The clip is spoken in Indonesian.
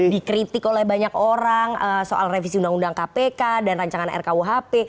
dikritik oleh banyak orang soal revisi undang undang kpk dan rancangan rkuhp